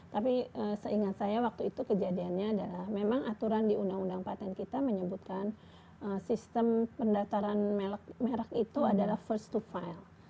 tapi seingat saya waktu itu kejadiannya adalah memang aturan di undang undang patent kita menyebutkan sistem pendaftaran merek itu adalah first to file